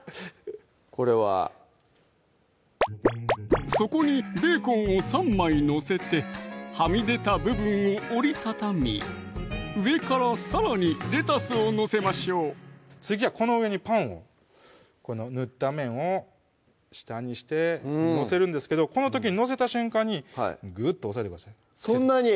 これはそこにベーコンを３枚載せてはみ出た部分を折り畳み上からさらにレタスを載せましょう次はこの上にパンをこの塗った面を下にして載せるんですけどこの時に載せた瞬間にぐっと押さえてくださいそんなに？